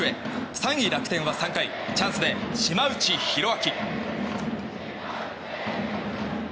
３位、楽天は３回チャンスで島内宏明。